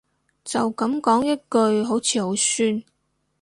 就噉講一句好似好酸